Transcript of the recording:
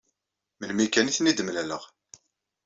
Melmi kan i ten-id-mlaleɣ.